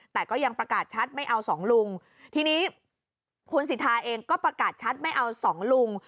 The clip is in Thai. แต่ก็ยังประกาศชัดไม่เอาสองลุงทีนี้คุณสิทธาเองก็ประกาศชัดไม่เอาสองลุง